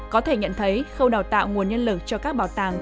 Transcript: có thể nhận thấy khâu đào tạo nguồn nhân lực cho các bảo tàng